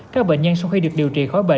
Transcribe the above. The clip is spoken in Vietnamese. các bệnh nhân sau khi được điều trị